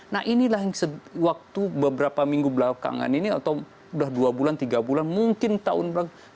nah inilah yang waktu beberapa minggu belakangan ini atau sudah dua bulan tiga bulan mungkin tahun belakang